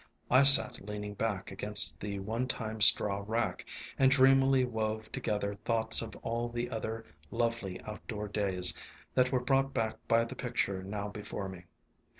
I sat leaning back against the one time straw rack, and dreamily wove together thoughts of all the other lovely outdoor days that were brought back by the picture now before me.